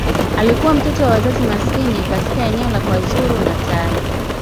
Alikuwa mtoto wa wazazi maskini katika eneo la KwaZulu-Natal.